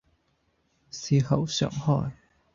笑口常開